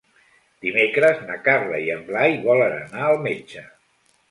Dimecres na Carla i en Blai volen anar al metge.